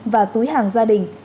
và túi hàng gia đình